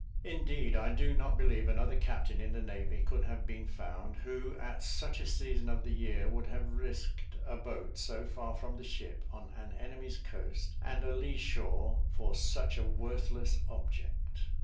Indeed, I do not believe another captain in the navy could have been found who, at such a season of the year, would have risked a boat so far from the ship on an enemy's coast and a lee shore, for such a worthless object.